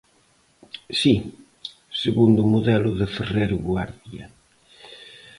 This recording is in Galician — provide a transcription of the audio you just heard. Si, segundo o modelo de Ferrer Guardia.